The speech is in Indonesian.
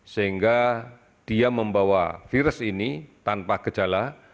sehingga dia membawa virus ini tanpa gejala